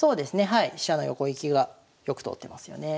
はい飛車の横利きがよく通ってますよね。